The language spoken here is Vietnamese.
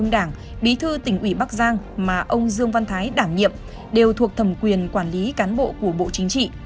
đảng bí thư tỉnh ủy bắc giang mà ông dương văn thái đảm nhiệm đều thuộc thẩm quyền quản lý cán bộ của bộ chính trị